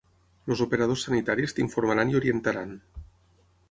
Els operadors sanitaris t'informaran i orientaran.